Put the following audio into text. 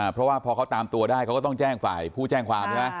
เพราะว่าพอเขาตามตัวได้เขาก็ต้องแจ้งฝ่ายผู้แจ้งความใช่ไหม